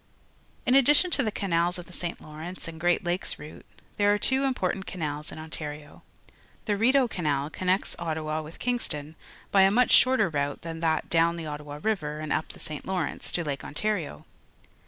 In nddition to the canals of the St. Lawrence and Great Lakes route, thexe are two important canals in Ontario. The RideauCanal connectsOttawa with Iving stori_bxA inuch shorter route than that down the Ottawa River and up the St. Lawrence to Lake Ontario.